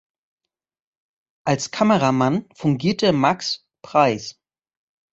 Als Kameramann fungierte Max Preiss.